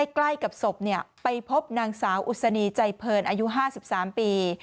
ใกล้กับศพเนี่ยไปพบนางสาวอุษณีใจเผินอายุ๕๓ปี